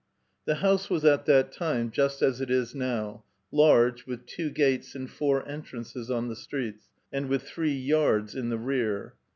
The house was at that time just as it is now, large, with two gates and four entrances on the streets, and with three yards {dvors) in the rear.